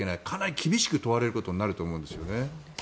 かなり厳しく問われることになると思います。